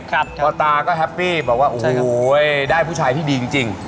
พอตาก็แฮปปี้บอกว่าโอ้โหได้ผู้ชายที่ดีจริง